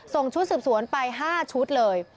ส่งชุดสืบสวนไป๕ชุดเลย